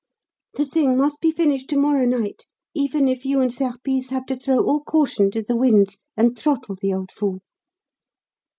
The thing must be finished to morrow night, even if you and Serpice have to throw all caution to the winds and throttle the old fool.'